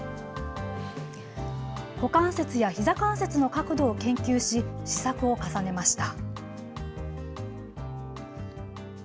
股関節やひざ関節の角度を研究し試作を重ねました。